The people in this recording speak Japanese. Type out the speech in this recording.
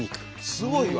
すごいわ。